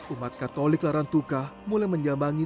umat katolik larantuka mulai menjambangi